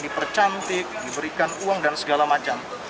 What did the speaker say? dipercantik diberikan uang dan segala macam